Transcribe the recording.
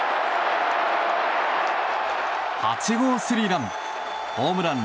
８号スリーラン。